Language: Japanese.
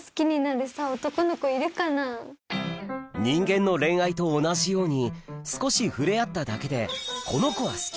人間の恋愛と同じように少し触れ合っただけでこの子は好き